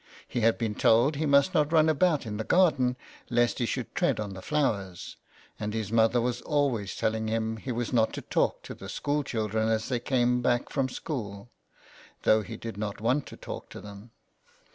He had been told he must not run about in the garden lest he should tread on the flowers, and his mother was always telling him he was not to talk to the school children as they came back from school, though he did not want to talk to them.